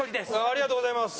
ありがとうございます！